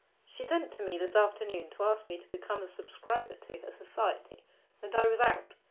She sent to me this afternoon to ask me to become a subscriber to her Society, and I was out.